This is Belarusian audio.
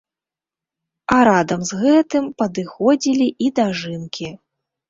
А радам з гэтым падыходзілі і дажынкі.